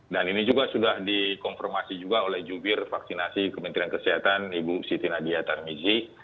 dan ini juga sudah dikonfirmasi juga oleh juvir vaksinasi kementerian kesehatan ibu siti nadia tarmizi